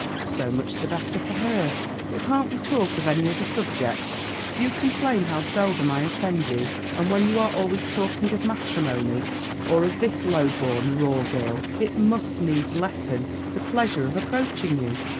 "'So much the better for her. But can't we talk of any other subject? You complain how seldom I attend you; and when you are always talking of matrimony, or of this low born, raw girl, it must needs lessen the pleasure of approaching you.'